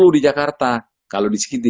di jakarta kalau di segiti